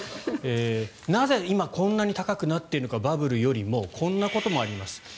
なぜ今こんなに高くなっているのかバブルよりもこんなこともあります。